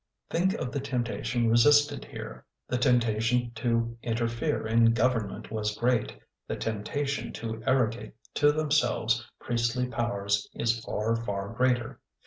Think of the temptation resisted here. The temptation to interfere in government was great, the temptation to arrogate to themselves priestly powers is far, far greater.